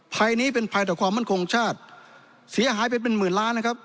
ภัยนี้เป็นภัยต่อความมั่นคงชาติเสียหายไปเป็นหมื่นล้านนะครับ